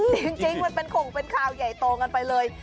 เฮ้ยจริงจริงมันเป็นข่าวใหญ่โตกันไปเลย